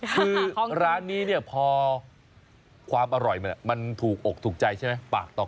คือร้านนี้เนี่ยพอความอร่อยมันถูกอกถูกใจใช่ไหมปากต่อ